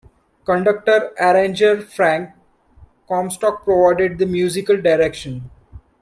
Conductor-arranger Frank Comstock provided the musical direction.